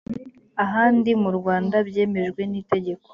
ahandi mu rwanda byemejwe n’ itegeko